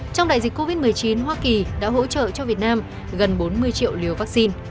trong đại dịch covid một mươi chín hoa kỳ đã hỗ trợ cho việt nam gần bốn mươi triệu liều vaccine